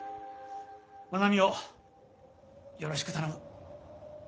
まなみをよろしくたのむ。